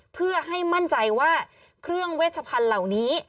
เพื่อให้มั่นใจว่าเครื่องเวชพันธุ์เหล่านี้